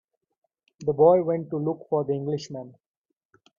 The boy went to look for the Englishman.